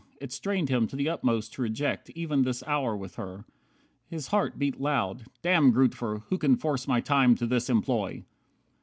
It strained him to the utmost to reject Even this hour with her. His heart beat loud. "Damn Grootver, who can force my time to this employ!"